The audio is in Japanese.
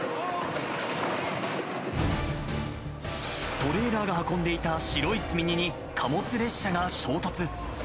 トレーラーが運んでいた白い積み荷に貨物列車が衝突。